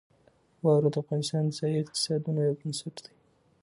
واوره د افغانستان د ځایي اقتصادونو یو بنسټ دی.